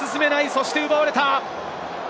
そして奪われた。